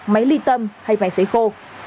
máy ly tâm hay máy xấy khô